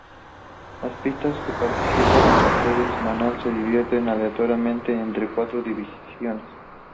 Las pistas que participan en la serie semanal se dividen aleatoriamente entre cuatro divisiones.